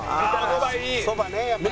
そばねやっぱり。